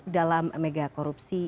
dalam mega korupsi